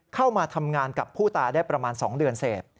เข้ามาทำงานกับผู้ตายได้ประมาณ๒เดือนเสพ